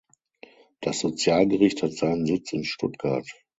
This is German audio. Das Sozialgericht hat seinen Sitz in Stuttgart.